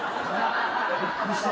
びっくりした。